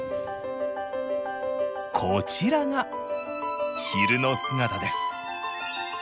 こちらが昼の姿です